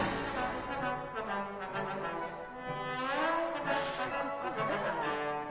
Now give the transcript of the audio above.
あっここか。